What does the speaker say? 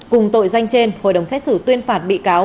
cùng tội danh trên hội đồng xét xử tuyên phạt bị cáo